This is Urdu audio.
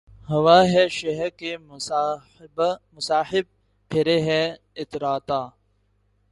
ہوا ہے شہہ کا مصاحب پھرے ہے اتراتا